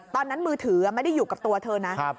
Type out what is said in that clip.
ตอนนั้นมือถือไม่ได้อยู่กับตัวเธอนะ